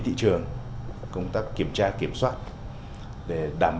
thị trường công tác kiểm tra kiểm soát để đảm bảo lợi ích của quá trình hội nhập nó mang